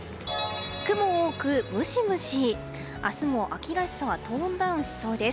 雲多くムシムシ明日も秋らしさはトーンダウンしそうです。